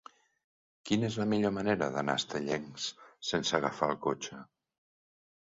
Quina és la millor manera d'anar a Estellencs sense agafar el cotxe?